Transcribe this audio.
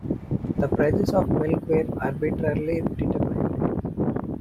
The prices of milk were arbitrarily determined.